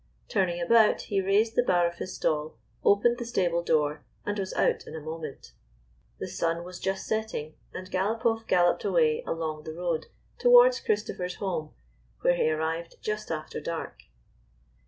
Turn ing about, he raised the bar of his stall, opened the stable door, and was out in a moment. The sun was just setting, and Galopoff galloped away along the road toward Christopher's home, where he arrived just after dark.